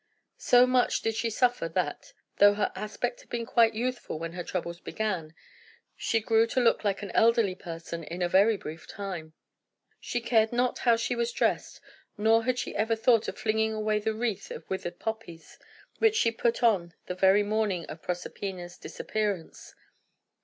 So much did she suffer that, though her aspect had been quite youthful when her troubles began, she grew to look like an elderly person in a very brief time. She cared not how she was dressed, nor had she ever thought of flinging away the wreath of withered poppies which she put on the very morning of Proserpina's disappearance.